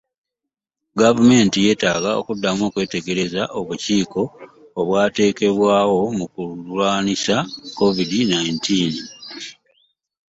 Gavumenti yeetaaga okuddamu okkwetegereza obukiiko obwateekebwawo mu kulwanyisa covid nineteen.